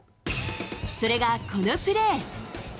それがこのプレー。